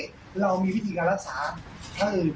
ตอนนี้เรามีวิธีการรักษาทั้งอื่น